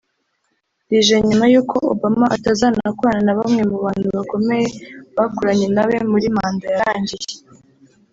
rije nyuma y’uko Obama atazanakorana na bamwe mu bantu bakomeye bakoranye na we muri manda yarangiye